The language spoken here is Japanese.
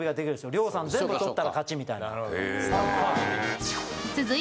両さん全部撮ったら勝ちみたいな。